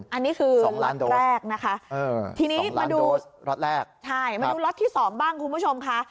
อันนี้คือล็อตแรกนะคะมาดูล็อตที่๒บ้างคุณผู้ชมค่ะ